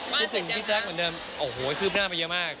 คิดถึงพี่แจ๊คเหมือนเดิมโอ้โหคืบหน้าไปเยอะมาก